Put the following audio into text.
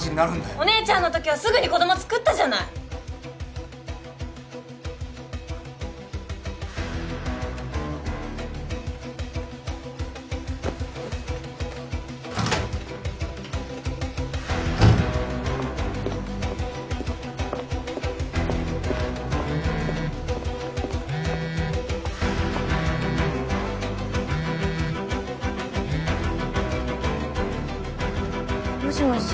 お姉ちゃんのときはすぐに子ども作ったじゃない！もしもし。